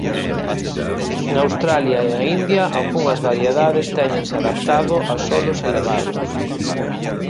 En Australia e a India algunhas variedades téñense adaptado a solos elevados.